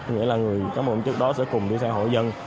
nghĩa là người cán bộ ổn chức đó sẽ cùng đi xe hội dân